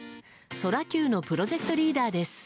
ソラキューのプロジェクトリーダーです。